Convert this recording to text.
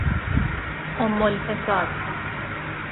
امالفساد